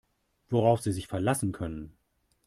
Worauf Sie sich verlassen können.